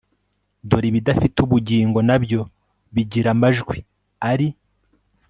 Dore ibidafite ubugingo na byo bigira amajwi ari